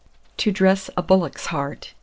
TO DRESS A BULLOCK'S HEART. 615.